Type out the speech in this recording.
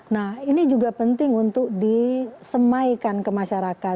nah ini juga penting untuk disemaikan ke masyarakat